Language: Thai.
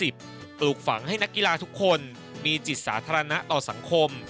ปลูกฝังให้นักกีฬาทุกคนมีจิตสาธารณะต่อสังคม